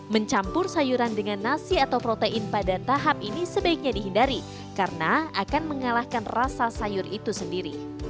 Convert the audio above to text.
mencampur sayuran dengan nasi atau protein pada tahap ini sebaiknya dihindari karena akan mengalahkan rasa sayur itu sendiri